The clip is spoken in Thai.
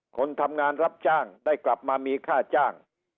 คนทำงานรับจ้างได้กลับมามีค่าจ้าง